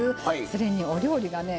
それにお料理がね